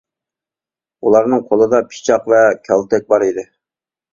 ئۇلارنىڭ قۇلىدا پىچاق ۋە كالتەك بار ئىدى.